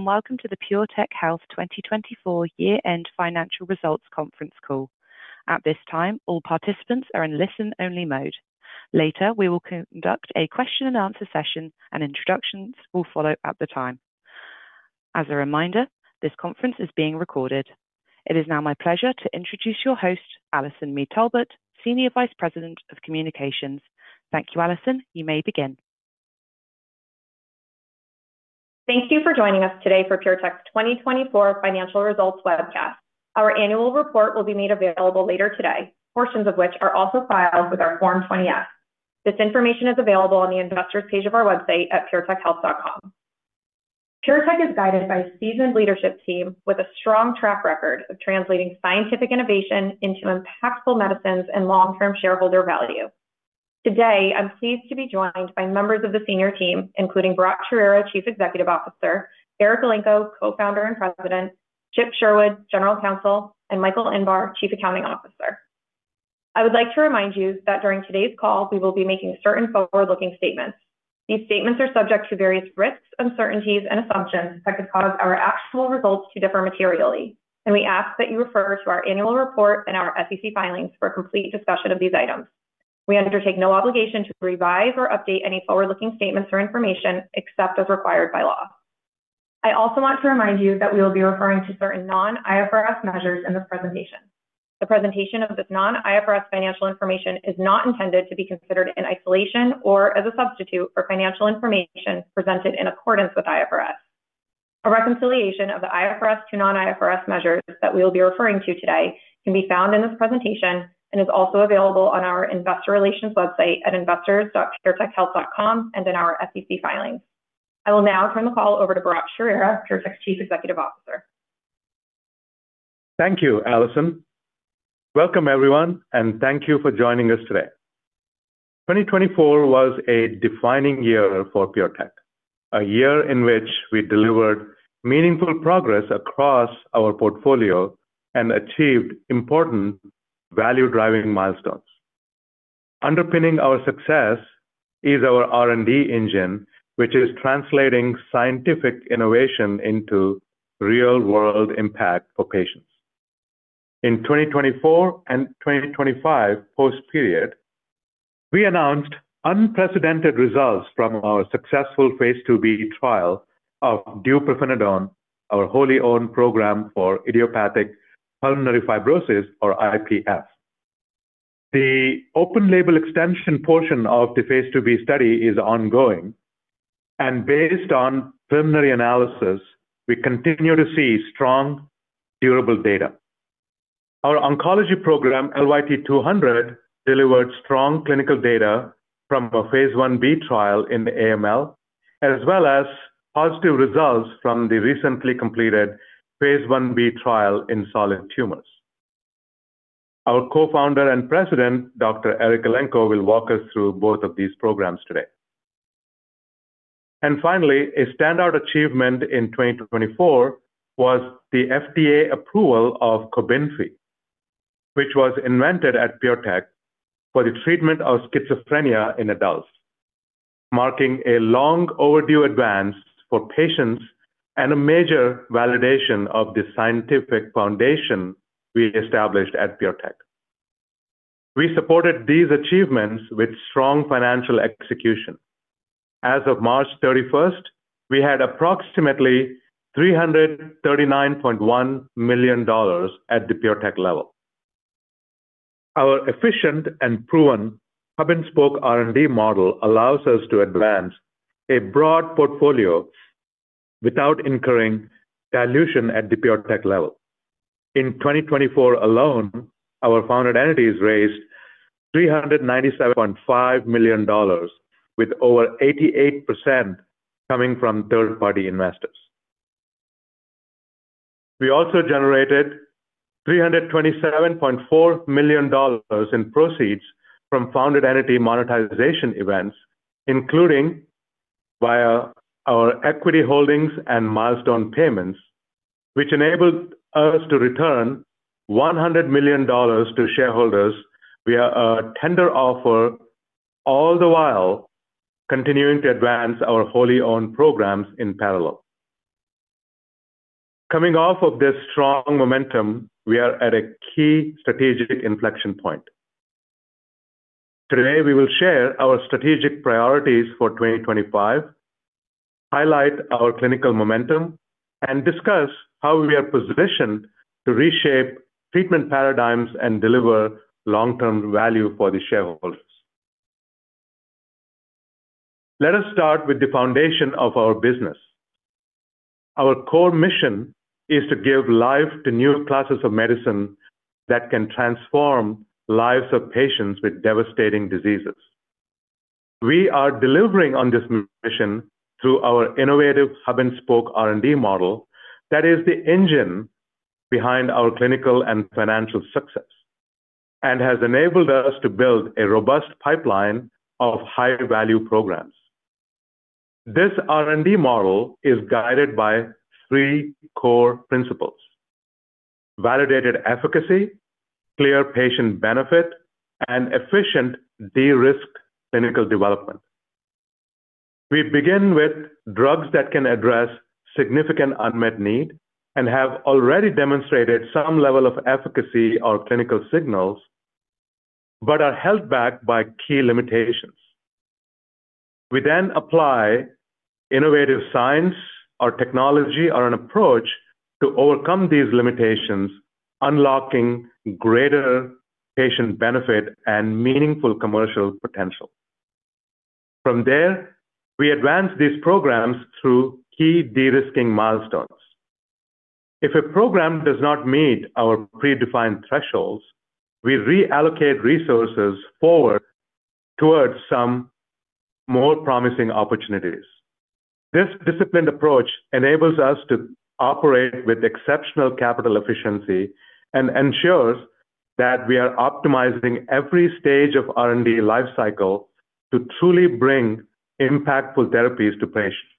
Welcome to the PureTech Health 2024 Year End Financial Results Conference call. At this time all participants are in listen only mode. Later we will conduct a question and answer session and introductions will follow at that time. As a reminder, this conference is being recorded. It is now my pleasure to introduce your host, Allison Mead Talbot, Senior Vice President of Communications. Thank you, Allison. You may begin. Thank you for joining us today for PureTech's 2024 financial results webcast. Our annual report will be made available later today, portions of which are also filed with our Form 20-F. This information is available on the Investors page of our website at PureTech.com. PureTech is guided by a seasoned leadership team with a strong track record of translating scientific innovation into impactful medicines and long term shareholder value. Today I'm pleased to be joined by members of the senior team including Bharatt Chowrira, Chief Executive Officer, Eric Elenko, Co-founder and President, Chip Sherwood, General Counsel, and Michael Inbar, Chief Accounting Officer. I would like to remind you that during today's call we will be making certain forward looking statements. These statements are subject to various risks, uncertainties and assumptions that could cause our actual results to differ materially and we ask that you refer to our annual report and our SEC filings for a complete discussion of these items. We undertake no obligation to revise or update any forward looking statements or information except as required by law. I also want to remind you that we will be referring to certain non IFRS measures in this presentation. The presentation of this non IFRS financial information is not intended to be considered in isolation or as a substitute for financial information presented in accordance with IFRS. A reconciliation of the IFRS to non IFRS measures that we will be referring to today can be found in this presentation and is also available on our investor relations website at investors.puretechhealth.com and in our SEC filings. I will now turn the call over to Bharatt Chowrira, PureTech's Chief Executive Officer. Thank you, Allison. Welcome, everyone, and thank you for joining us today. 2024 was a defining year for PureTech, a year in which we delivered meaningful progress across our portfolio and achieved important value-driving milestones. Underpinning our success is our R&D engine, which is translating scientific innovation into real-world impact for patients. In 2024 and 2025 post period, we announced unprecedented results from our successful IIb trial of deupirfenidone, our wholly owned program for idiopathic pulmonary fibrosis, or IPF. The open-label extension portion of the Phase 2b study is ongoing, and based on preliminary analysis, we continue to see strong, durable data. Our oncology program LYT-200 delivered strong clinical data from a Phase 1b trial in AML as well as positive results from the recently completed Phase 1b trial in solid tumors. Our co-founder and president, Dr. Eric Elenko will walk us through both of these programs today. Finally, a standout achievement in 2024 was the FDA approval of Cobenfy, which was invented at PureTech for the treatment of schizophrenia in adults, marking a long overdue advance for patients and a major validation of the scientific foundation we established at PureTech. We supported these achievements with strong financial execution. As of March 31 we had approximately $339.1 million. At the PureTech level, our efficient and proven hub and spoke R&D model allows us to advance a broad portfolio without incurring dilution at the PureTech level. In 2024 alone our founded entities raised $397.5 million with over 88% coming from third party investors. We also generated $327.4 million in proceeds from founded entity monetization events including via our equity holdings and milestone payments which enabled us to return $100 million to shareholders via a tender offer, all the while continuing to advance our wholly owned programs in parallel. Coming off of this strong momentum, we are at a key strategic inflection point. Today we will share our strategic priorities for 2025, highlight our clinical momentum and discuss how we are positioned to reshape treatment paradigms and deliver long term value for the shareholders. Let us start with the foundation of our business. Our core mission is to give life to new classes of medicine that can transform lives of patients with devastating diseases. We are delivering on this mission through our innovative hub and spoke R&D model that is the engine behind our clinical and financial success and has enabled us to build a robust pipeline of high value programs. This R&D model is guided by three core principles: validated efficacy, clear patient benefit, and efficient de risk clinical development. We begin with drugs that can address significant unmet need and have already demonstrated some level of efficacy or clinical signals but are held back by key limitations. We then apply innovative science or technology or an approach to overcome these limitations, unlocking greater patient benefit and meaningful commercial potential. From there we advance these programs through key de risking milestones. If a program does not meet our predefined thresholds, we reallocate resources forward towards some more promising opportunities. This disciplined approach enables us to operate with exceptional capital efficiency and ensures that we are optimizing every stage of R&D life cycle to truly bring impactful therapies to patients.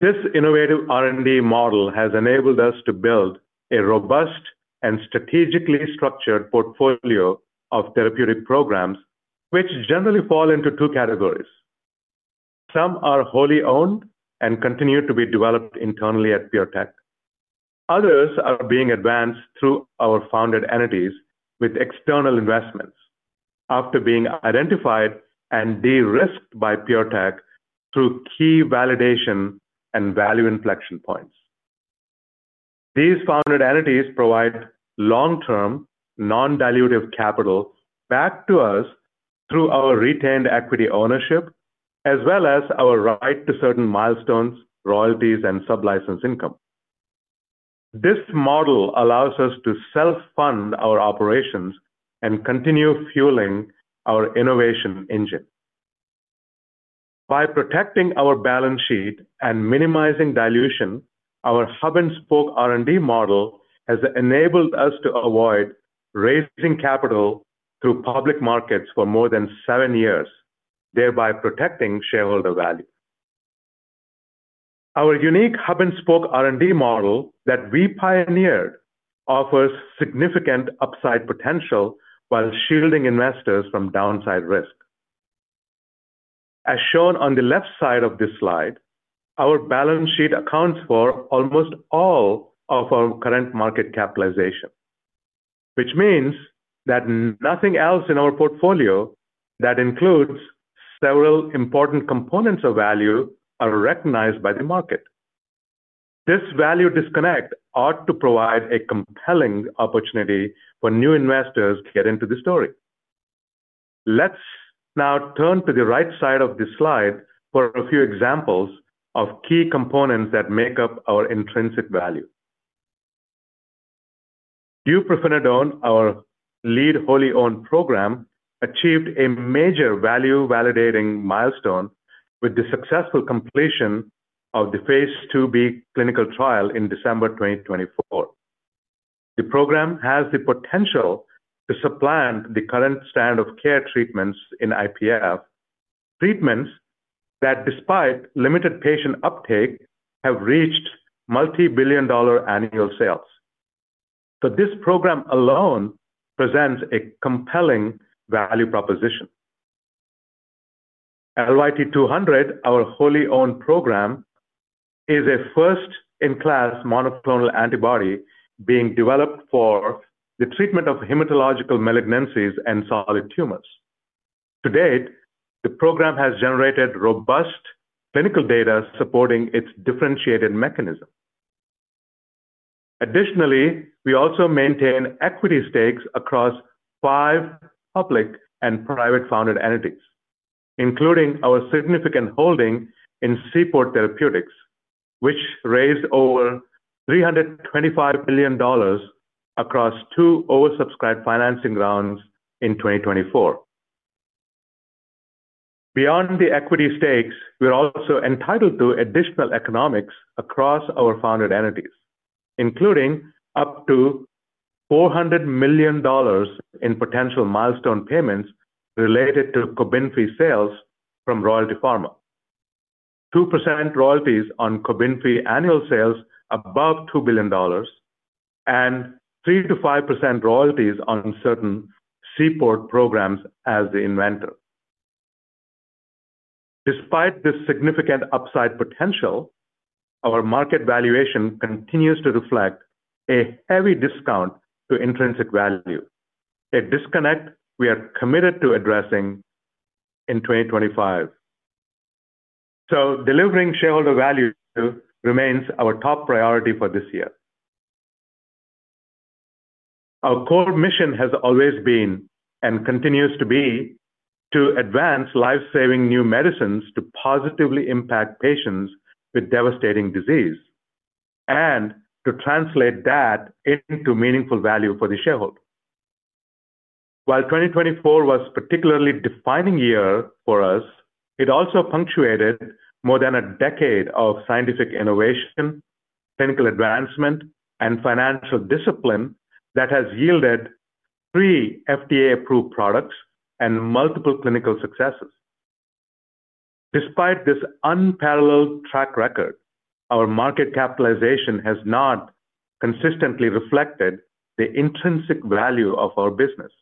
This innovative R&D model has enabled us to build a robust and strategically structured portfolio of therapeutic programs which generally fall into two categories. Some are wholly owned and continue to be developed internally at PureTech. Others are being advanced through our founded entities with external investments. After being identified and de-risked by PureTech through key validation and value inflection points, these founded entities provide long term non-dilutive capital back to us through our retained equity ownership as well as our right to certain milestones, royalties and sublicense income. This model allows us to self-fund our operations and continue fueling our innovation engine by protecting our balance sheet and minimizing dilution. Our hub-and-spoke R&D model has enabled us to avoid raising capital through public markets for more than seven years, thereby protecting shareholder value. Our unique hub and spoke R&D model that we pioneered offers significant upside potential while shielding investors from downside risk. As shown on the left side of this slide, our balance sheet accounts for almost all of our current market capitalization, which means that nothing else in our portfolio that includes several important components of value are recognized by the market. This value disconnect ought to provide a compelling opportunity for new investors to get into the story. Let's now turn to the right side of the slide for a few examples of key components that make up our intrinsic value. Deupirfenidone, our lead wholly owned program, achieved a major value validating milestone with the successful completion of the Phase 2b clinical trial in December 2024. The program has the potential to supplant the current standard of care treatments in IPF treatments that despite limited patient uptake, have reached multibillion dollar annual sales. This program alone presents a compelling value proposition. LYT-200, our wholly owned program, is a first in class monoclonal antibody being developed for the treatment of hematological malignancies and solid tumors. To date, the program has generated robust clinical data supporting its differentiated mechanism. Additionally, we also maintain equity stakes across five public and private founded entities, including our significant holding in Seaport Therapeutics, which raised over $325 million across two oversubscribed financing rounds in 2024. Beyond the equity stakes, we are also entitled to additional economics across our founded entities, including up to $400 million in potential milestone payments related to sales from Royalty Pharma, 2% royalties on Cobenfy annual sales above $2 billion and 3%-5% royalties on certain Seaport programs as the inventor. Despite this significant upside potential, our market valuation continues to reflect a heavy discount to intrinsic value, a disconnect we are committed to addressing in 2025. Delivering shareholder value remains our top priority for this year. Our core mission has always been and continues to be to advance life saving new medicines to positively impact patients with devastating disease and to translate that into meaningful value for the shareholder. While 2024 was a particularly defining year for us, it also punctuated more than a decade of scientific innovation, clinical advancement and financial discipline that has yielded three FDA approved products and multiple clinical successes. Despite this unparalleled track record, our market capitalization has not consistently reflected the intrinsic value of our business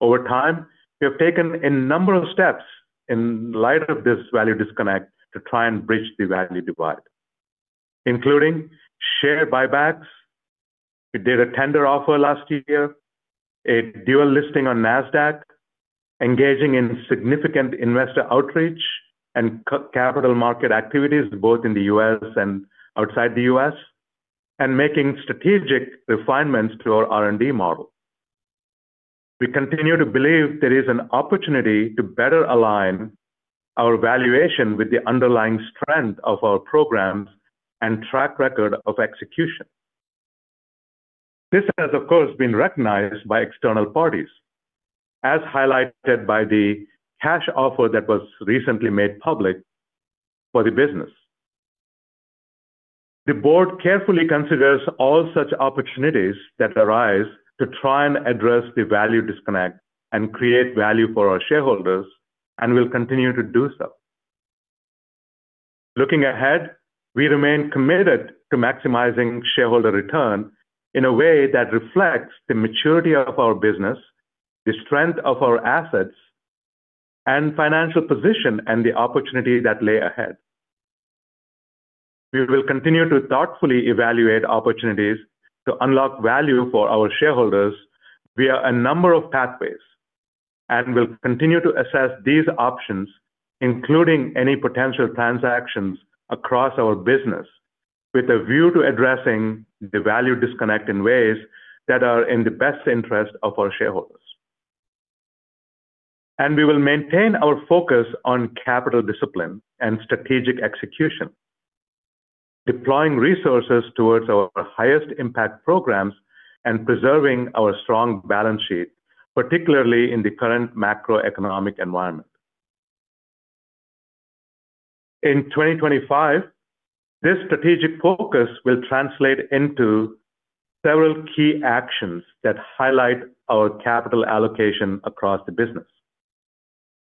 over time. We have taken a number of steps in light of this value disconnect to try and bridge the value divide, including share buybacks. We did a tender offer last year, a dual listing on Nasdaq, engaging in significant investor outreach and capital market activities both in the U.S. and outside the U.S. and making strategic refinements to our R&D model. We continue to believe there is an opportunity to better align our valuation with the underlying strength of our programs and track record of execution. This has of course been recognized by external parties as highlighted by the cash offer that was recently made public for the business. The Board carefully considers all such opportunities that arise to try and address the value disconnect and create value for our shareholders and will continue to do so. Looking ahead we remain committed to maximizing shareholder return in a way that reflects the maturity of our business, the strength of our assets and financial position and the opportunity that lay ahead. We will continue to thoughtfully evaluate opportunities to unlock value for our shareholders via a number of pathways and we'll continue to assess these options and including any potential transactions across our business with a view to addressing the value disconnect in ways that are in the best interest of our shareholders. We will maintain our focus on capital discipline and strategic execution, deploying resources towards our highest impact programs and preserving our strong balance sheet, particularly in the current macroeconomic environment. In 2025, this strategic focus will translate into several key actions that highlight our capital allocation across the business.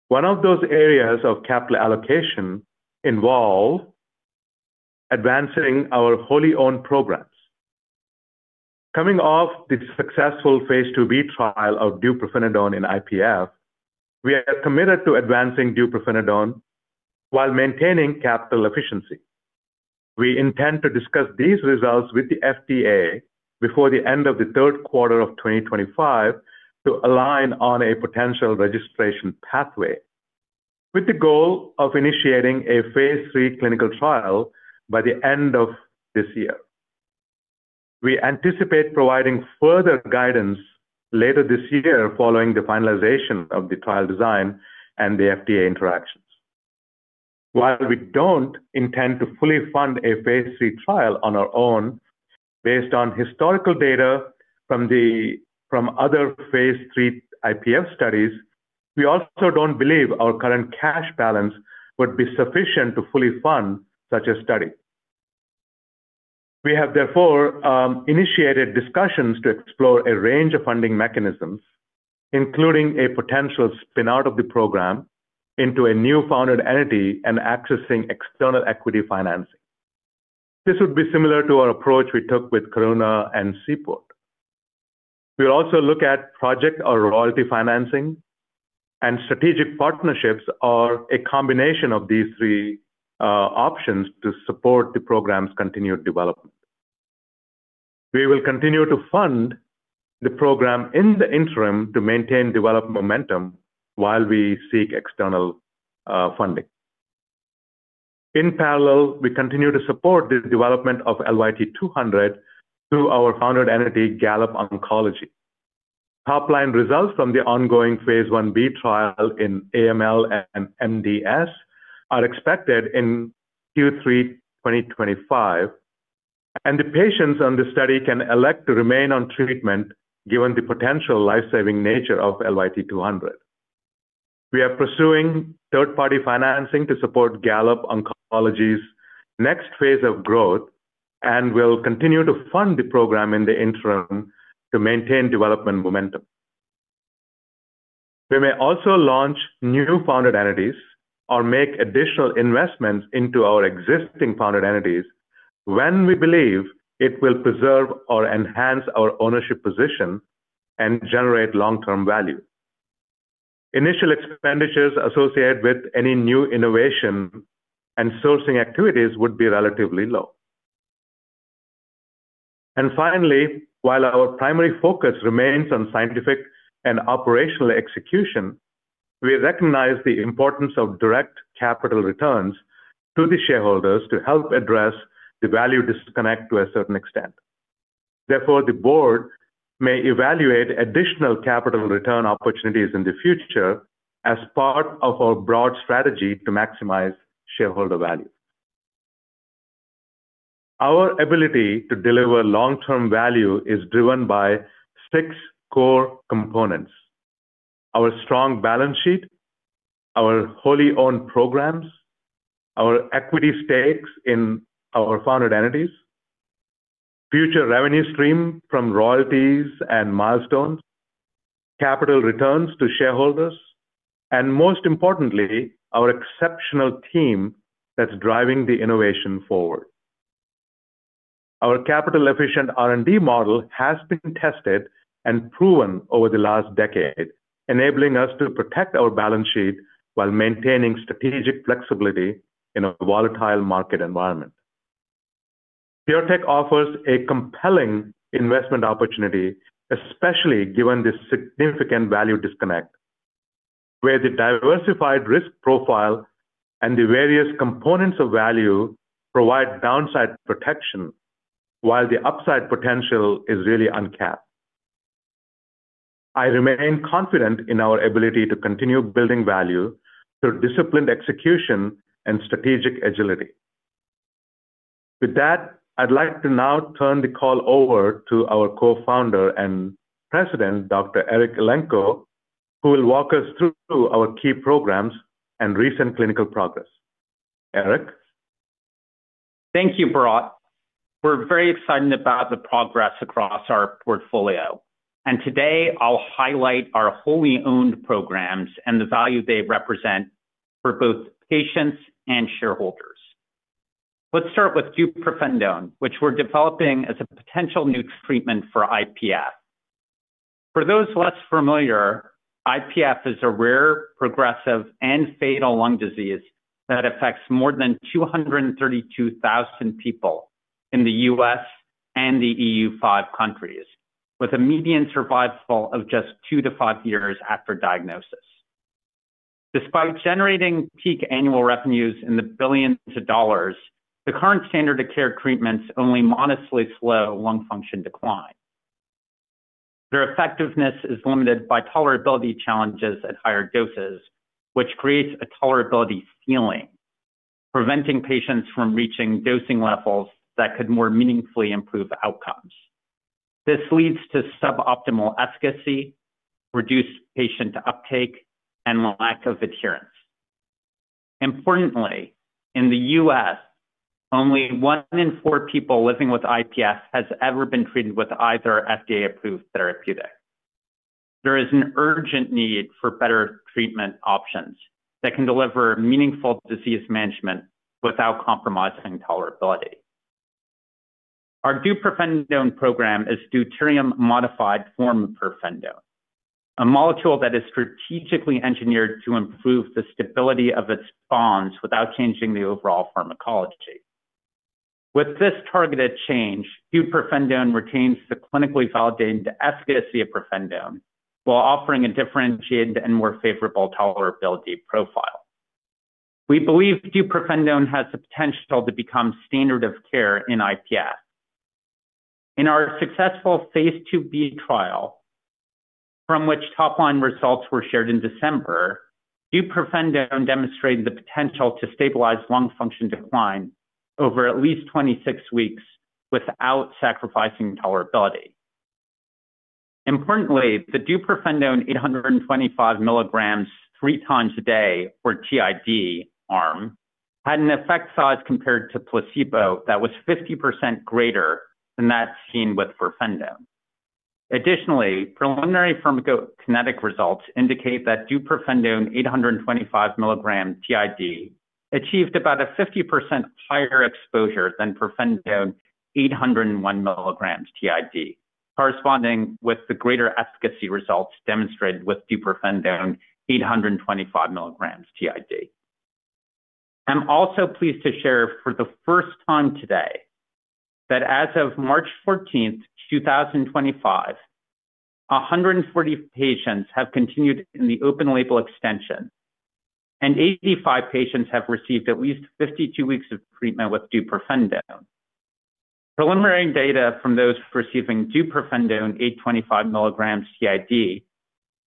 One of those areas of capital allocation involves advancing our wholly owned programs. Coming off the successful Phase 2b trial of deupirfenidone in idiopathic pulmonary fibrosis, we are committed to advancing deupirfenidone while maintaining capital efficiency. We intend to discuss these results with the FDA before the end of the third quarter of 2025 to align on a potential registration pathway with the goal of initiating a phase lll clinical trial by the end of this year. We anticipate providing further guidance later this year following the finalization of the trial design and the FDA interactions. While we don't intend to fully fund a phase lll trial on our own based on historical data from other Phase 3 IPF studies, we also don't believe our current cash balance would be sufficient to fully fund such a study. We have therefore initiated discussions to explore a range of funding mechanisms, including a potential spin out of the program into a new founded entity and accessing external equity financing. This would be similar to our approach we took with Karuna and Seaport. We'll also look at project or royalty financing and strategic partnerships or a combination of these three options to support the program's continued development. We will continue to fund the program in the interim to maintain development momentum. While we seek external funding. In parallel, we continue to support the development of LYT-200 through our founded entity Gallop Oncology. Top line results from the ongoing Phase 1b trial in AML and MDS are expected in Q3 2025 and the patients on the study can elect to remain on treatment. Given the potential life saving nature of LYT-200, we are pursuing third party financing to support Gallop Oncology's next phase of growth and will continue to fund the program in the interim to maintain development momentum. We may also launch new founded entities or make additional investments into our existing founded entities when we believe it will preserve or enhance our ownership position and generate long term value. Initial expenditures associated with any new innovation and sourcing activities would be relatively low. Finally, while our primary focus remains on scientific and operational execution, we recognize the importance of direct capital returns to the shareholders to help address the value disconnect to a certain extent. Therefore, the Board may evaluate additional capital return opportunities in the future as part of our broad strategy to maximize shareholder value. Our ability to deliver long term value is driven by six core components, our strong balance sheet, our wholly owned programs, our equity stakes in our founded entities, future revenue stream from royalties and milestones, capital returns to shareholders, and most importantly, our exceptional team that's driving the innovation forward. Our capital efficient R&D model has been tested and proven over the last decade, enabling us to protect our balance sheet while maintaining strategic flexibility. A volatile market environment. PureTech offers a compelling investment opportunity, especially given the significant value disconnect where the diversified risk profile and the various components of value provide downside protection while the upside potential is really uncapped. I remain confident in our ability to continue building value through disciplined execution and strategic agility. With that, I'd like to now turn the call over to our Co-founder and President, Dr. Eric Elenko, who will walk us through our key programs and recent clinical progress. Eric Thank you Bharatt. We're very excited about the progress across our portfolio and today I'll highlight our wholly owned programs and the value they represent for both patients and shareholders. Let's start with deupirfenidone, which we're developing as a potential new treatment for IPF. For those less familiar, IPF is a rare, progressive and fatal lung disease that affects more than 232,000 people in the U.S. and the EU five countries, with a median survival of just two to five years after diagnosis. Despite generating peak annual revenues in the billions of dollars, the current standard of care treatments only modestly slow lung function decline. Their effectiveness is limited by tolerability challenges at higher doses, which creates a tolerability ceiling, preventing patients from reaching dosing levels that could more meaningfully improve outcomes. This leads to suboptimal efficacy, reduced patient uptake and lack of adherence. Importantly, in the U.S. Only one in four people living with IPF has ever been treated with either FDA approved therapeutic. There is an urgent need for better treatment options that can deliver meaningful disease management without compromising tolerability. Our deupirfenidone program is a deuterium-modified form of pirfenidone, a molecule that is strategically engineered to improve the stability of its bonds without changing the overall pharmacology. With this targeted change, deupirfenidone retains the clinically validated efficacy of pirfenidone while offering a differentiated and more favorable tolerability profile. We believe deupirfenidone has the potential to become standard of care in IPF. In our successful Phase 2b trial, from which top line results were shared in December, deupirfenidone demonstrated the potential to stabilize lung function decline over at least 26 weeks without sacrificing tolerability. Importantly, the deupirfenidone 825 mg three times a day or TID arm had an effect size compared to placebo that was 50% greater than that seen with pirfenidone. Additionally, preliminary pharmacokinetic results indicate that deupirfenidone 825 mg TID achieved about a 50% higher exposure than pirfenidone 801 mg TID, corresponding with the greater efficacy results demonstrated with deupirfenidone 825 mg TID. I'm also pleased to share for the first time today that as of March 14, 2025, 140 patients have continued in the open-label extension and 85 patients have received at least 52 weeks of treatment with deupirfenidone. Preliminary data from those receiving deupirfenidone 825 mg TID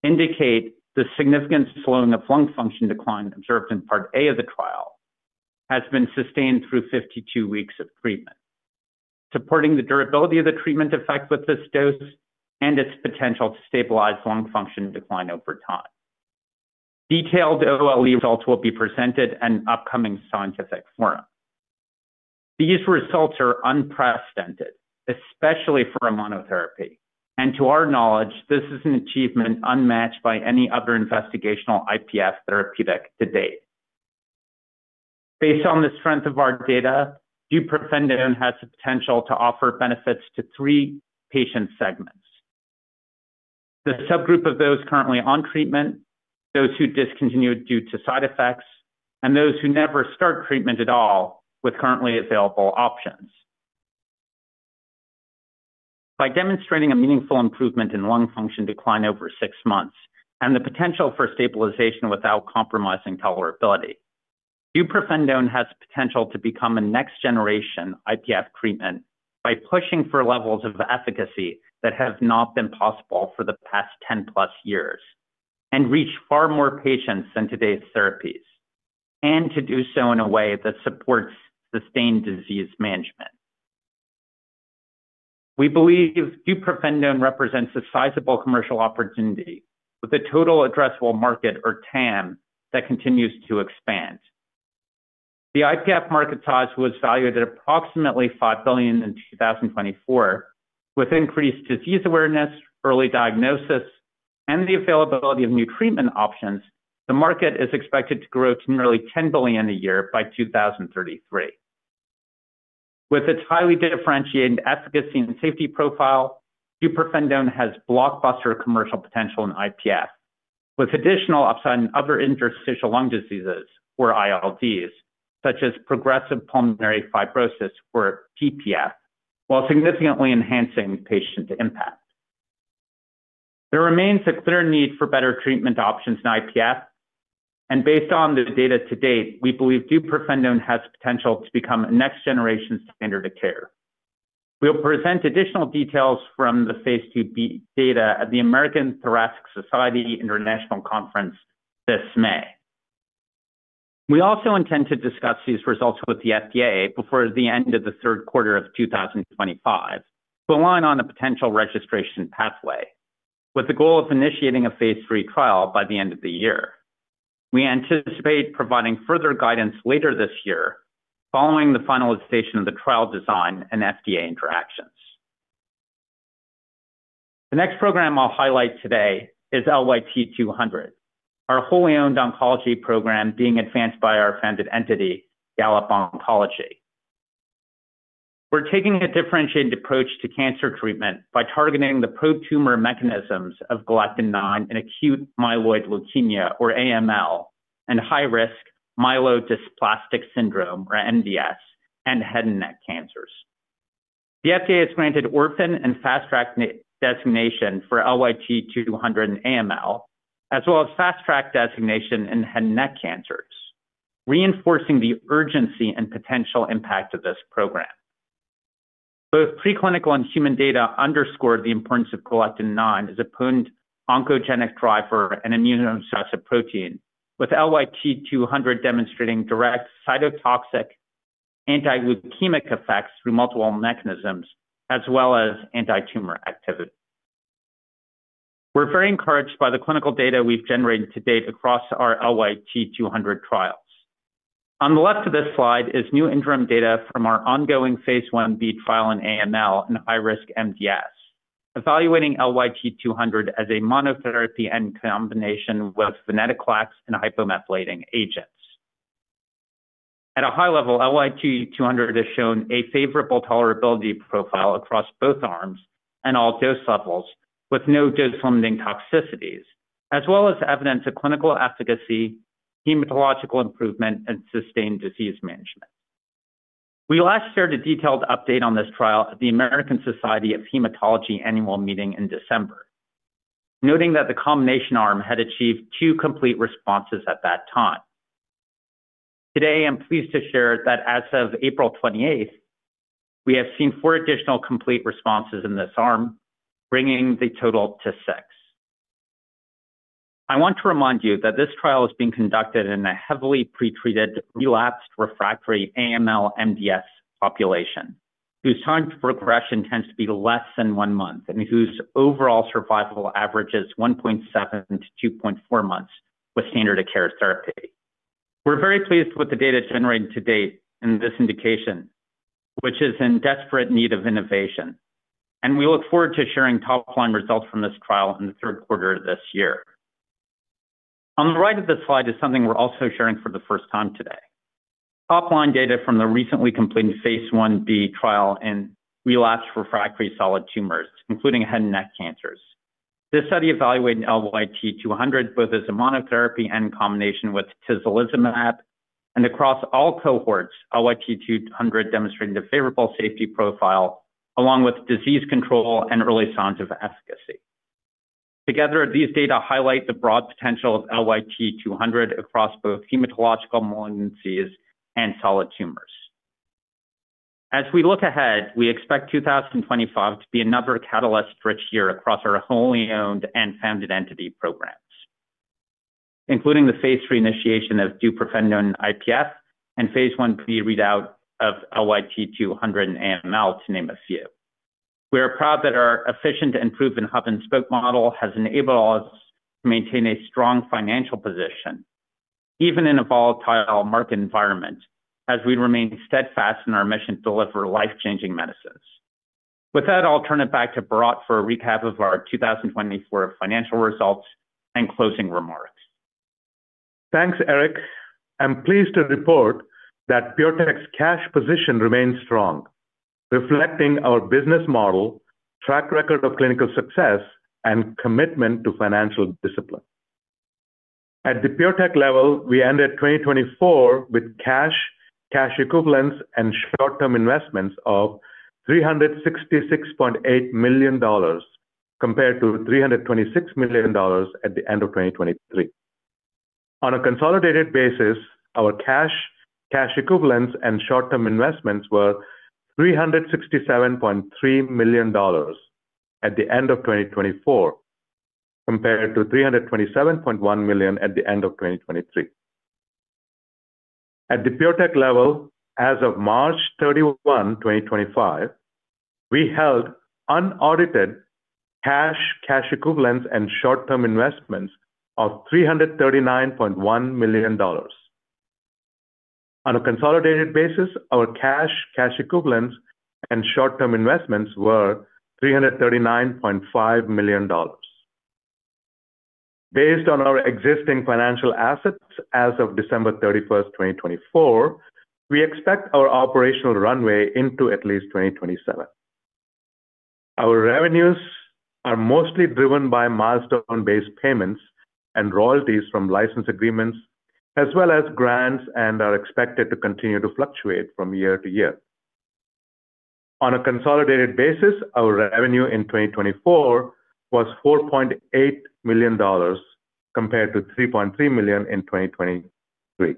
indicate the significant slowing of lung function decline observed in part A of the trial has been sustained through 52 weeks of treatment, supporting the durability of the treatment effect with this dose and its potential to stabilize lung function decline over time. Detailed OLE results will be presented in upcoming Scientific Forum. These results are unprecedented, especially for a monotherapy, and to our knowledge this is an achievement unmatched by any other investigational IPF therapeutic to date. Based on the strength of our data, deupirfenidone has the potential to offer benefits to three patient segments, the subgroup of those currently on treatment, those who discontinued due to side effects, and those who never start treatment at all with currently available options. By demonstrating a meaningful improvement in lung function decline over six months and the potential for stabilization without compromising tolerability, deupirfenidone has potential to become a next generation IPF treatment by pushing for levels of efficacy that have not been possible for the past 10+ years and reach far more patients than today's therapies and to do so in a way that supports sustained disease management. We believe deupirfenidone represents a sizable commercial opportunity with a total addressable market or TAM that continues to expand. The IPF market was valued at approximately $5 billion in 2024. With increased disease awareness, early diagnosis and the availability of new treatment options, the market is expected to grow to nearly $10 billion a year by 2033. With its highly differentiated efficacy and safety profile, deupirfenidone has blockbuster commercial potential in IPF with additional upside in other interstitial lung diseases or ILDs such as progressive pulmonary fibrosis or PPF. While significantly enhancing patient impact, there remains a clear need for better treatment options in IPF and based on the data to date, we believe deupirfenidone has potential to become a next generation standard of care. We'll present additional details from the phase ll data at the American Thoracic Society International Conference this May. We also intend to discuss these results with the FDA before the end of the third quarter of 2025 to align on a potential registration pathway with the goal of initiating a phase lll trial by the end of the year. We anticipate providing further guidance later this year following the finalization of the trial design and FDA Interact. The next program I'll highlight today is LYT-200, our wholly owned oncology program being advanced by our founded entity Gallop Oncology. We're taking a differentiated approach to cancer treatment by targeting the pro-tumor mechanisms of galectin-9 in acute myeloid leukemia or AML, and high-risk myelodysplastic syndrome or MDS and head and neck cancers. The FDA has granted orphan and Fast Track designation for LYT-200 in AML as well as Fast Track designation in head and neck cancers, reinforcing the urgency and potential impact of this program. Both preclinical and human data underscored the importance of galectin-9 as a potent oncogenic driver and immunosuppressive protein, with LYT-200 demonstrating direct cytotoxic anti-leukemic effects through multiple mechanisms as well as antitumor activity. We're very encouraged by the clinical data we've generated to date across our LYT-200 trials. On the left of this slide is new interim data from our ongoing Phase 1b trial in AML and high-risk MDS evaluating LYT-200 as a monotherapy and in combination with venetoclax and hypomethylating agents. At a high level, LYT-200 has shown a favorable tolerability profile across both arms and all dose levels with no dose-limiting toxicities, as well as evidence of clinical efficacy, hematological improvement, and sustained disease management. We last shared a detailed update on this trial at the American Society of Hematology Annual Meeting in December, noting that the combination arm had achieved two complete responses at that time. Today I'm pleased to share that as of April 28th we have seen four additional complete responses in this arm, bringing the total to six. I want to remind you that this trial is being conducted in a heavily pretreated relapsed refractory AML MDS population whose time progression tends to be less than one month and whose overall survival average is 1.7-2.4 months with standard of care therapy. We're very pleased with the data generated to date in this indication, which is in desperate need of innovation and we look forward to sharing top line results from this trial in the third quarter of this year. On the right of the slide is something we're also sharing for the first time today, top line data from the recently completed Phase 1b trial in relapsed/refractory solid tumors including head and neck cancers. This study evaluated LYT-200 both as a monotherapy and in combination with tislelizumab, and across all cohorts LYT-200 demonstrated a favorable safety profile along with disease control and early signs of efficacy. Together, these data highlight the broad potential of LYT-200 across both hematological malignancies and solid tumors. As we look ahead, we expect 2025 to be another catalyst-rich year across our wholly owned and founded entity programs including the phase lll initiation of deupirfenidone in IPF and Phase 1b readout of LYT-200 in AML, to name a few. We are proud that our efficient and proven hub and spoke model has enabled us to maintain a strong financial position even in a volatile market environment as we remain steadfast in our mission to deliver life changing medicines. With that, I'll turn it back to Bharatt for a recap of our 2024 financial results and closing remarks. Thanks Eric. I'm pleased to report that PureTech's cash position remains strong, reflecting our business model, track record of clinical success, and commitment to financial discipline. At the PureTech level, we ended 2024 with cash, cash equivalents, and short term investments of $366.8 million compared to $326 million at the end of 2023. On a consolidated basis, our cash, cash equivalents, and short term investments were $367.3 million at the end of 2024 compared to $327.1 million at the end of 2023. At the PureTech level as of March 31, 2025, we held unaudited cash, cash equivalents, and short term investments of $339.1 million. On a consolidated basis, our cash, cash equivalents, and short term investments were $339.5 million. Based on our existing financial assets as of December 31, 2024, we expect our operational runway into at least 2027. Our revenues are mostly driven by milestone based payments and royalties from license agreements as well as grants and are expected to continue to fluctuate from year to year. On a consolidated basis, our revenue in 2024 was $4.8 million compared to $3.3 million in 2023.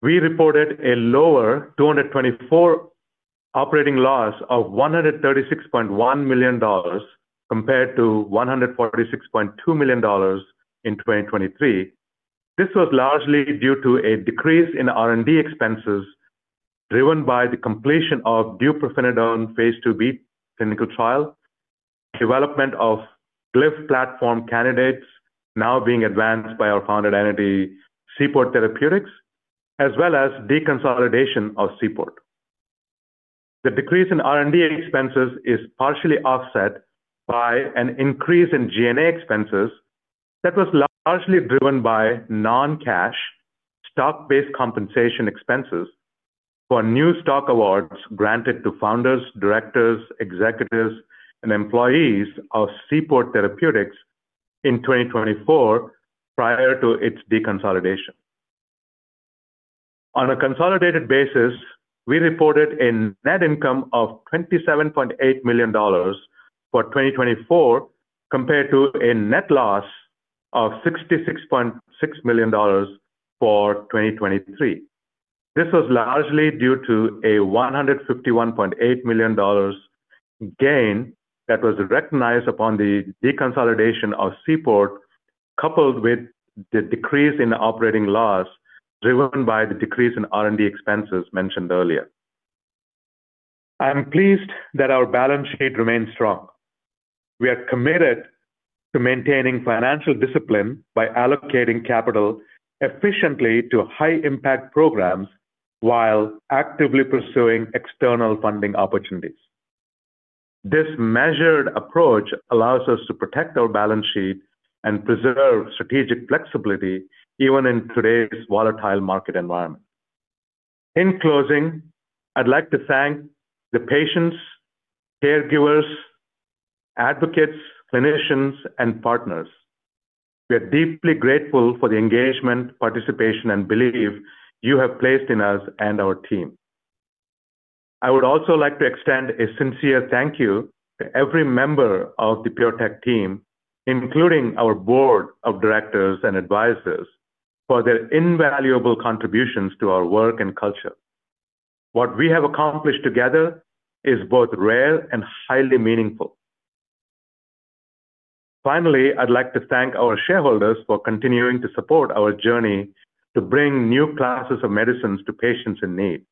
We reported a lower 2024 operating loss of $136.1 million compared to $146.2 million in 2023. This was largely due to a decrease in R&D expenses and driven by the completion of deupirfenidone Phase 2b clinical trial development of glymphatic platform candidates now being advanced by our founded entity Seaport Therapeutics as well as deconsolidation of Seaport. The decrease in R&D expenses is partially offset by an increase in G&A expenses that was largely driven by non-cash stock-based compensation expenses for new stock awards granted to founders, directors, executives, and employees of Seaport Therapeutics in 2024 prior to its deconsolidation. On a consolidated basis, we reported a net income of $27.8 million for 2024 compared to a net loss of $66.6 million for 2023. This was largely due to a $151.8 million gain that was recognized upon the deconsolidation of Seaport coupled with the decrease in operating loss driven by the decrease in R&D expenses mentioned earlier. I am pleased that our balance sheet remains strong. We are committed to maintaining financial discipline by allocating capital efficiently to high-impact programs while actively pursuing external funding opportunities. This measured approach allows us to protect our balance sheet and preserve strategic flexibility even in today's volatile market environment. In closing, I'd like to thank the patients, caregivers, advocates, clinicians and partners. We are deeply grateful for the engagement, participation and belief you have placed in us and our team. I would also like to extend a sincere thank you to every member of the PureTech team, including our Board of Directors and advisors, for their invaluable contributions to our work and culture. What we have accomplished together is both rare and highly meaningful. Finally, I'd like to thank our shareholders for continuing to support our journey to bring new classes of medicines to patients in need.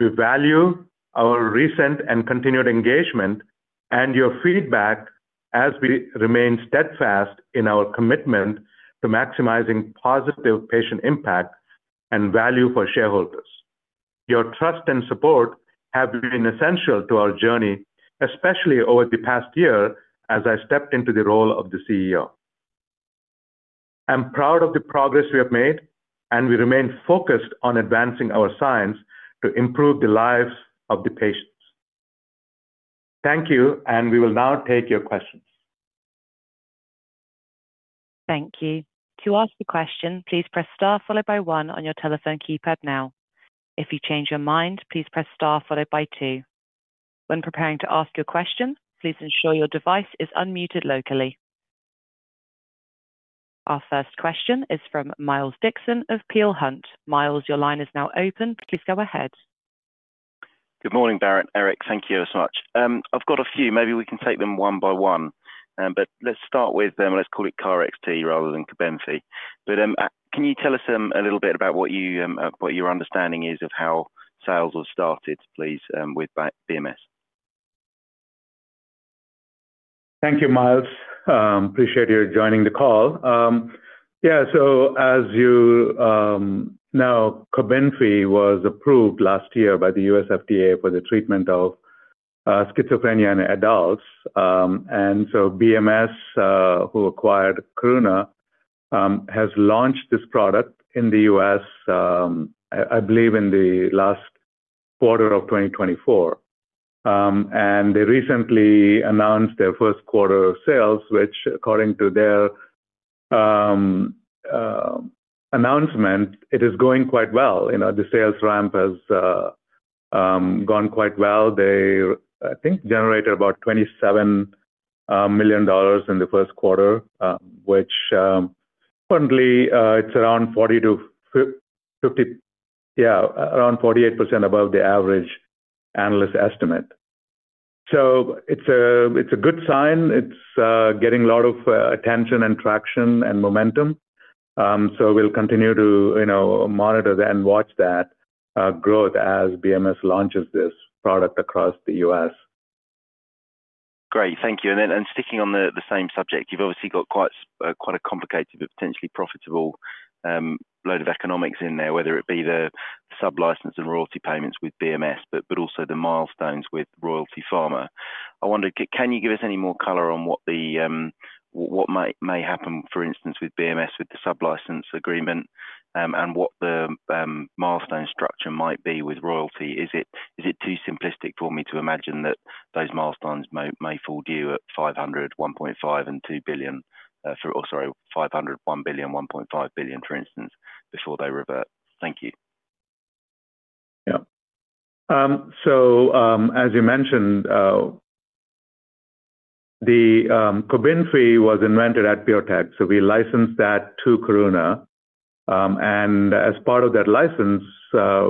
We value our recent and continued engagement and your feedback as we remain steadfast in our commitment to maximizing positive patient impact value for shareholders. Your trust and support have been essential to our journey, especially over the past year as I stepped into the role of the CEO. I'm proud of the progress we have made and we remain focused on advancing our science to improve the lives of the patients. Thank you and we will now take your questions. Thank you. To ask a question, please press star followed by one on your telephone keypad. If you change your mind, please press star followed by two. When preparing to ask your question, please ensure your device is unmuted locally. Our first question is from Miles Dixon of Peel Hunt. Miles, your line is now open. Please go ahead. Good morning, Bharatt. Eric, thank you so much. I've got a few. Maybe we can take them one by one, but let's start with them. Let's call it KarXT rather than Cobenfy, but can you tell us a little bit about what your understanding is of how sales have started, please, with BMS. Thank you, Miles. Appreciate you joining the call. Yeah. As you know, Cobenfy was approved last year by the U.S. FDA for the treatment of schizophrenia in adults. BMS, who acquired Karuna, has launched this product in the U.S. I believe in the last quarter of 2024. They recently announced their first quarter sales, which according to their. Announcement it. Is going quite well. The sales ramp has gone quite well. They, I think, generated about $27 million in the first quarter, which currently it's around $40 million to $50 million. Yeah, around 48% above the average analyst estimate. It's a good sign. It's getting a lot of attention and traction and momentum. We will continue to monitor that and watch that growth as BMS launches this product across the U.S. Great, thank you. Sticking on the same subject, you've obviously got quite a complicated but potentially profitable load of economics in there, whether it be the sublicense and royalty payments with BMS, but also the milestones with Royalty Pharma. I wondered, can you give us any more color on what may happen, for instance with BMS, with the sublicense agreement and what the milestone structure might be with Royalty? Is it too simplistic for me to imagine that those milestones may fall due $500 million, $1 billion, $1.5 billion, for instance, before they revert. Thank you. Yeah. As you mentioned, Cobenfy was invented at PureTech. We licensed that to Karuna and as part of that license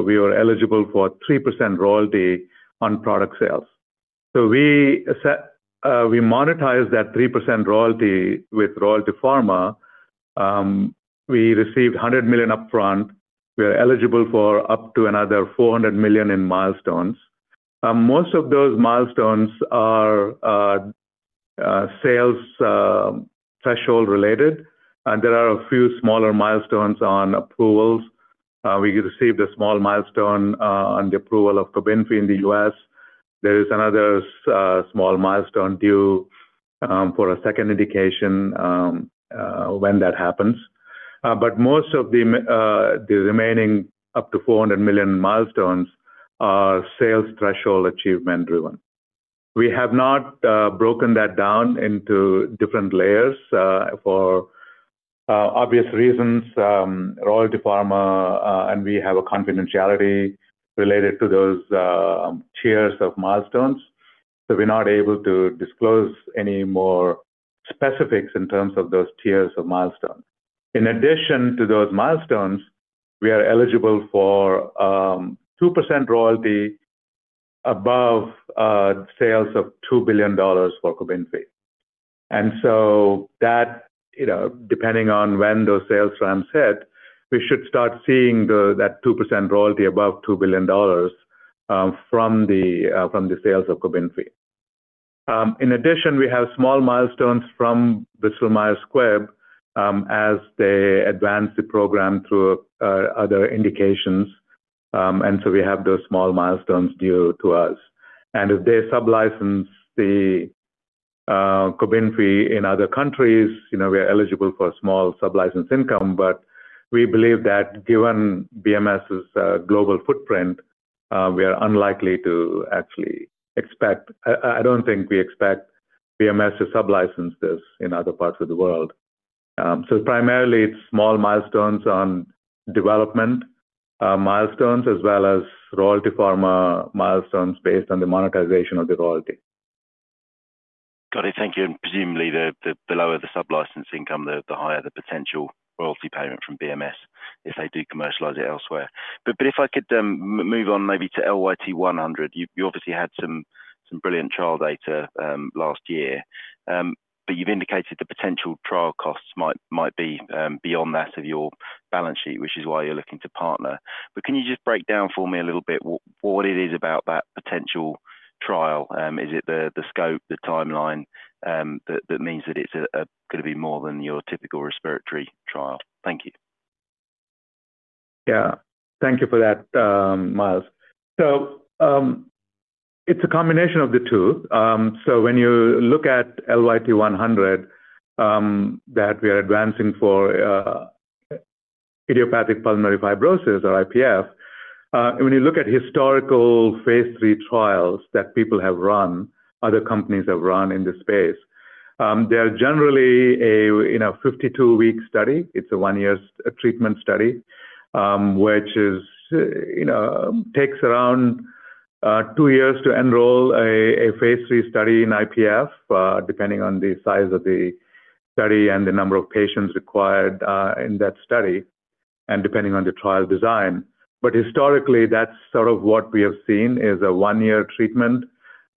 we were eligible for a 3% royalty on product sales. We monetized that 3% royalty with Royalty Pharma. We received $100 million upfront. We are eligible for up to another $400 million in milestones. Most of those milestones are sales threshold related and there are a few smaller milestones on approvals. We received a small milestone on the approval of Cobenfy in the U.S. There is another small milestone due for a second indication when that happens. Most of the remaining up to $400 million milestones are sales threshold achievement driven. We have not broken that down into different layers for obvious reasons. Royalty Pharma and we have a confidentiality related to those tiers of milestones. We're not able to disclose any more specifics in terms of those tiers of milestones. In addition to those milestones, we are eligible for 2% royalty above sales of $2 billion for Cobenfy. That, depending on when those sales ramps hit, we should start seeing that 2% royalty above $2 billion from the sales of Cobenfy. In addition, we have small milestones from Bristol Myers Squibb as they advance the program through other indications. We have those small milestones due to us. If they sublicense in other countries, you know, we are eligible for small sublicense income, but we believe that given BMS's global footprint, we are unlikely to actually expect. I don't think we expect BMS to. Sublicense this in other parts of the world. Primarily, it's small milestones on development milestones as well as Royalty Pharma milestones based on the monetization of the royalty. Got it, thank you. Presumably the lower the sublicense income, the higher the potential royalty payment from BMS if they do commercialise it elsewhere. If I could move on maybe to LYT-100. You obviously had some brilliant trial data last year, but you've indicated the potential trial costs might be beyond that of your balance sheet, which is why you're looking to partner. Can you just break down for me a little bit what it is about that potential trial? Is it the scope, the timeline that means that it's going to be more than your typical respiratory trial? Thank you. Yeah, thank you for that, Miles. It is a combination of the two. When you look at LYT-100 that we are advancing for idiopathic pulmonary. Fibrosis or IPF, when you look at historical phase lll trials that people have. Run, other companies have run in this space, they're generally a 52 week study. It's a one year treatment study which takes around two years to enroll a phase lll study in IPF, depending on the size of the study and the number of patients required in that study and depending on the trial design. Historically that's sort of what we. Have seen is a one-year treatment.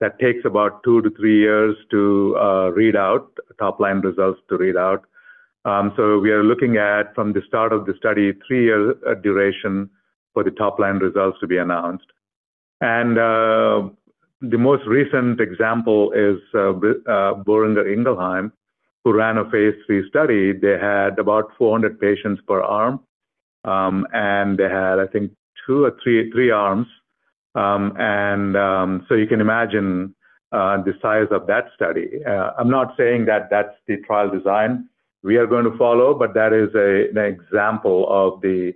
That takes about two to three years. To read out, top line results to read out. We are looking at, from the start of the study, three year duration for the top line results to be announced. The most recent example is Boehringer Ingelheim who ran a phase lll study. They had about 400 patients per arm and they had I think two or three arms. You can imagine the size of that study. I'm not saying that that's the trial design we are going to follow, but that is an example of the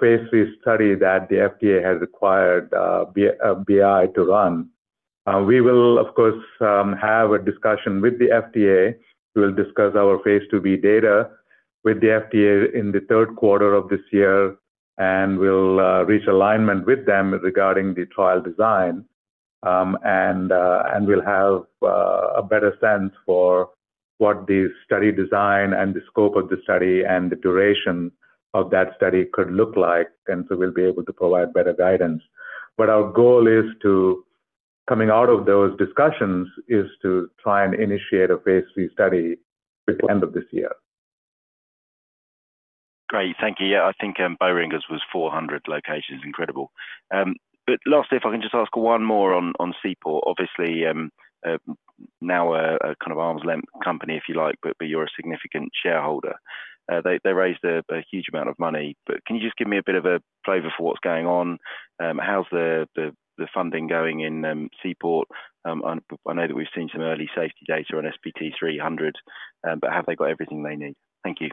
phase lll study that the FDA has required BI to run. We will of course have a discussion with the FDA. We will discuss our Phase 2b data. With the FDA in the third quarter of this year, we'll reach alignment with them regarding the trial design, and we'll have a better sense for what the study design and the scope of the study and the duration of that study could look like. We'll be able to provide better guidance. Our goal coming out of those discussions is to try and initiate a phase lll study before the end of this year. Great, thank you. Yeah, I think Boehringer's was 400 locations. Incredible. Lastly, if I can just ask one more on Seaport, obviously now a kind of arm's length company if you like, but you're a significant shareholder. They raised a huge amount of money. Can you just give me a bit of a flavor for what's going on? How's the funding going in Seaport? I know that we've seen some early safety data on SPT-300, but have they got everything they need? Thank you.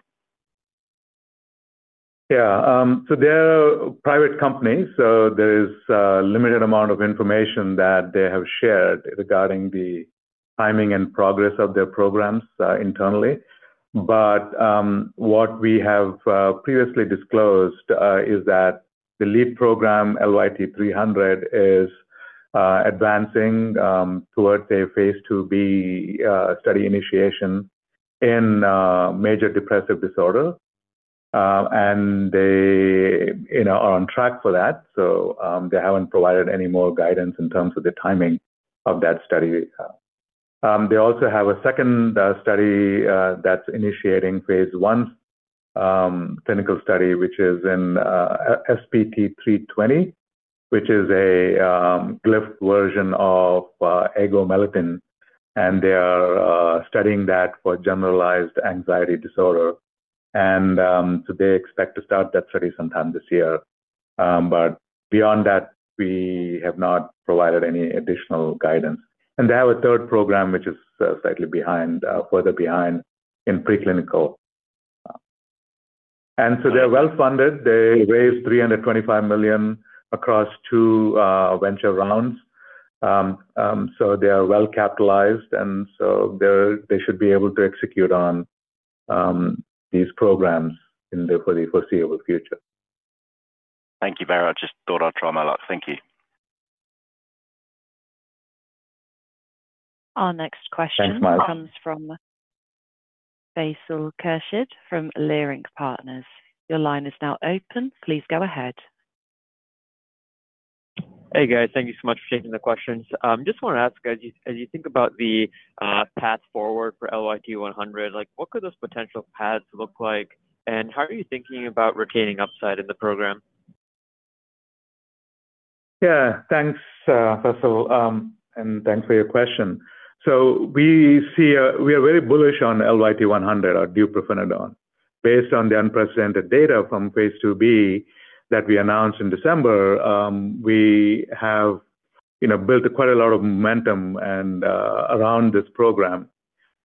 Yeah. They're private companies, so there is a limited amount of information that they have shared regarding the timing and progress of their programs internally. What we have previously disclosed is that the lead program, LYT-300, is advancing towards a Phase 2b study initiation in major depressive disorder, and they are on track for that. They haven't provided any more guidance in terms of the timing of that study. They also have a second study that's initiating a phase l clinical study, which is in SPT-320, which is a glymphatic version of agomelatine, and they are studying that for generalized anxiety disorder. They expect to start that study sometime this year. Beyond that, we have not provided any additional guidance. They have a third program which is slightly further behind in preclinical, and they're well funded. They raised $325 million across two venture rounds. They are well capitalized and they should be able to execute on these programs in the foreseeable future. Thank you, Bharatt. I just thought I'd try my luck. Thank you. Our next question comes from Faisal Khurshid from Leerink Partners. Your line is now open. Please go ahead. Hey guys, thank you so much for taking the questions. Just want to ask as you think about the path forward for LYT-100, like what could those potential paths look like and how are you thinking about retaining upside in the program? Yeah, thanks first of all and thanks for your question. We are very bullish on LYT-100 or deupirfenidone. Based on the unprecedented data from Phase 2b that we announced in December, we have built quite a lot of momentum around this program.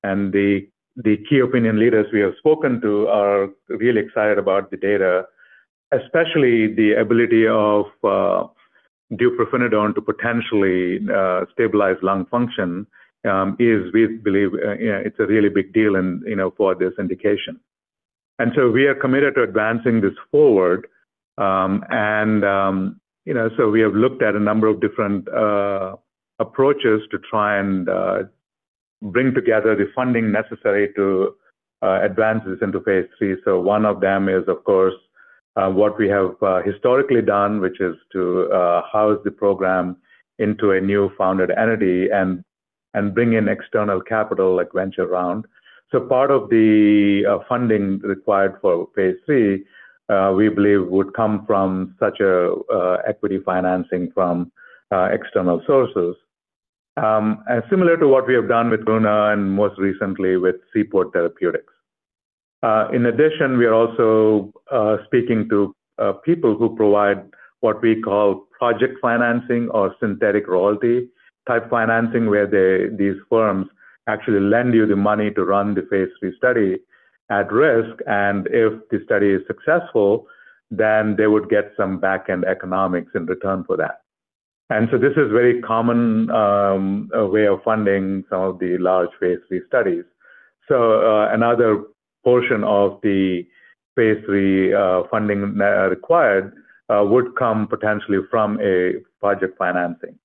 The key opinion leaders we have spoken to are really excited about the data, especially the ability of deupirfenidone to potentially stabilize lung function. We believe it's a really big deal for this indication. We are committed to advancing this forward. We have looked at a number of different approaches to try and bring together the funding necessary to advance this into phase III. One of them is of course what we have historically done, which is to house the program into a new founded entity and bring in external capital like Venture Round. Part of the funding required for phase lll we believe would come from such equity financing from external sources, similar to what we have done with Karuna and most recently with Seaport Therapeutics. In addition, we are also speaking to. People who provide what we call project. Financing or synthetic royalty type financing, where these firms actually lend you the money to run the phase lll study at risk. If the study is successful, then they would get some backend economics in return for that. This is a very common way of funding some of the large phase lll studies. Another portion of the phase lll funding required would come potentially from a project financing.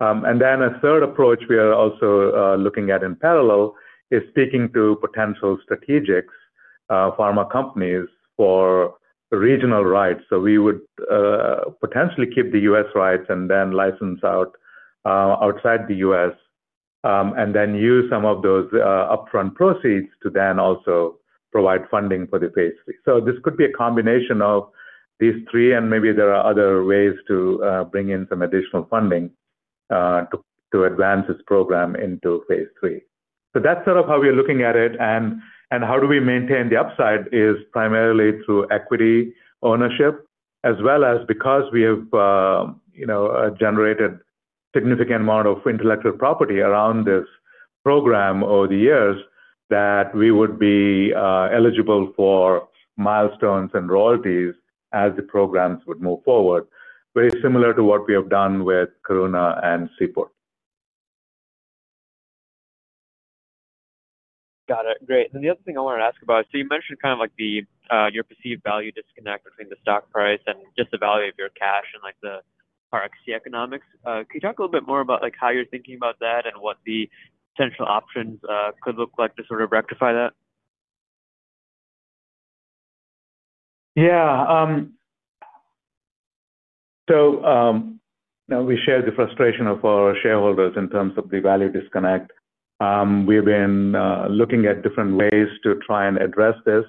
A third approach we are also looking at in parallel is speaking to potential strategics pharma companies for regional rights. We would potentially keep the U.S. Rights and then license out outside the U.S. and then use some of those upfront proceeds to then also provide funding for the phase lll. This could be a combination of these three. Maybe there are other ways to bring in some additional funding to advance this program into phase lll. That is sort of how we are looking at it. How do we maintain the upside is primarily through equity ownership as well as because we have generated significant amount of intellectual property around this program over the years that we would be eligible for milestones and royalties as the programs would move forward. Very similar to what we have done with Karuna and Seaport. Got it. Great. You mentioned kind of like your perceived value disconnect between the stock price and just the value of your cash and like the RX economics. Can you talk a little bit more about how you're thinking about that and what the potential options could look like to sort of rectify that? Yeah, we share the frustration of our shareholders in terms of the value disconnect. We've been looking at different ways to try and address this.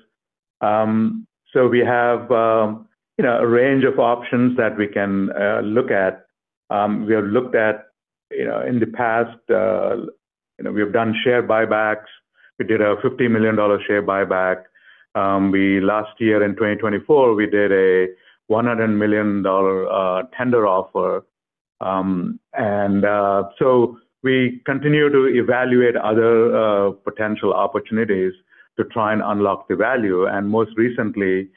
We have a range of options that we can look at. We have looked at them in the past. We have done share buybacks. We did a $50 million share buyback last year. In 2024, we did a $100 million tender offer. We continue to evaluate other potential opportunities to try and unlock the value. Most recently,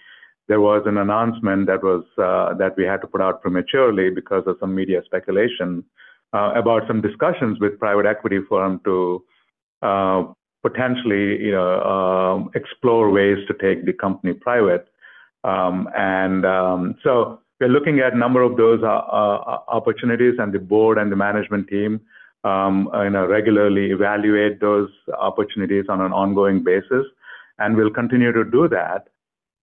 there was an announcement that we had to put out prematurely because of some media speculation about some discussions with a private equity firm to potentially explore ways to take the company private. We're looking at a number of those opportunities, and the board and the management team regularly evaluate those opportunities on an ongoing basis. We'll continue to do that.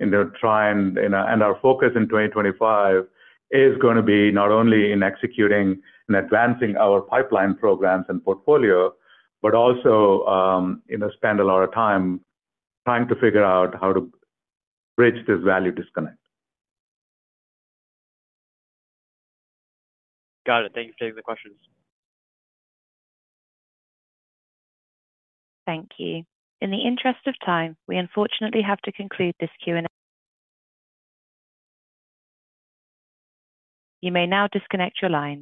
Our focus in 2025 is going to be not only in executing and advancing our pipeline programs and portfolio, but also spend a lot of time trying. To figure out how to bridge this value. Disconnect. Got it. Thank you for taking the questions. Thank you. In the interest of time, we unfortunately have to conclude this Q and A. You may now disconnect your lines.